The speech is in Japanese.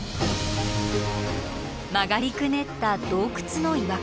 曲がりくねった洞窟の岩壁。